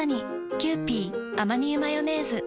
「キユーピーアマニ油マヨネーズ」